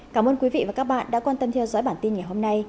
cảm ơn quý vị và các bạn đã quan tâm theo dõi bản tin ngày hôm nay